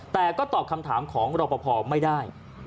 แต่ก็ตอบคำถามของรอปภไม่ได้